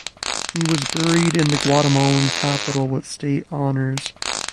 He was buried in the Guatemalan capital with state honors.